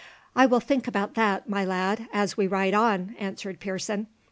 "I will think about that, my lad, as we ride on," answered Pearson.